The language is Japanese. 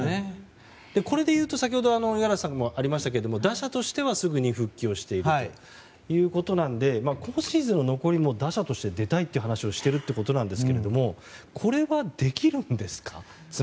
これでいうと五十嵐さんからもありましたが打者としてはすぐに復帰していくということなので今シーズンの残りも打者として出たいという話をしてるということなんですけどこれはできるんですか？